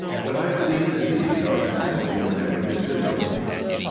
But I believe, indeed, our family were never considerable."